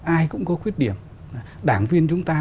ai cũng có khuyết điểm đảng viên chúng ta